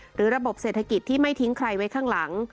ระบบเศรษฐกิจที่ไม่ทิ้งใครไว้ข้างหลัง